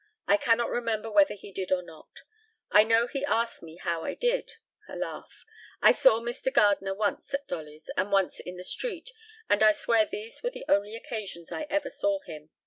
I cannot remember whether he did or not. I know he asked me how I did. (A laugh.) I saw Mr. Gardner once at Dolly's, and once in the street, and I swear these were the only occasions I ever saw him.